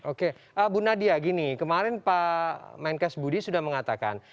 oke bu nadia gini kemarin pak menkes budi sudah mengatakan